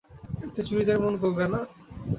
এতে জুরিদের মন গলবে না।